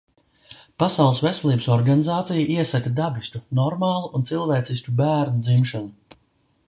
Pasaules Veselības Organizācija iesaka dabisku, normālu un cilvēcisku bērnu dzimšanu.